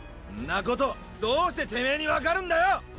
んなことどうしてテメエにわかるんだよ！